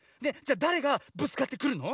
だれがぶつかってくるの？